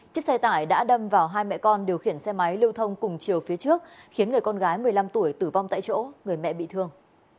chiếc xe tải đã đâm vào hai mẹ con điều khiển xe máy lưu thông cùng chiều phía trước khiến người con gái một mươi năm tuổi tử vong tại chỗ người mẹ bị thương